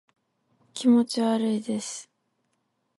気持ち悪いです